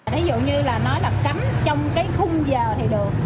ví dụ như là nói là cấm trong cái khung giờ thì được